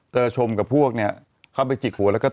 เจอชมกับพวกเข้าไปจิกหัวแล้วก็ตบเลย